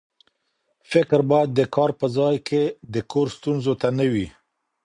فکر باید د کار په ځای کې د کور ستونزو ته نه وي.